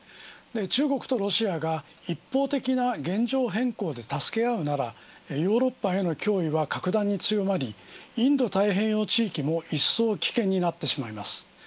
中国とロシアが一方的な現状変更で助け合うならヨーロッパへの脅威は格段に強まりインド太平洋地域もいっそう危険になってしまいます。